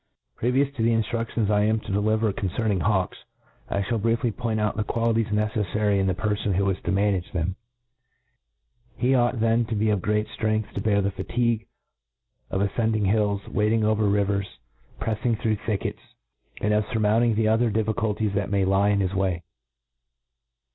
^ PREVIOUS to the inlbruaions I am to de liver concerning hawks, I fhall briefly point out the qualities neceffary in the peribn who is to manage them. He ought then to be of great ftrengtH to bear the fetigue of a fccnding hills^ wactinig over rivers, preffing thro* (^ thickctt. 122 A T R £ ATIS E OF / thickets^, and of farmoilntmg the otlier difficul ties that may lie in his way.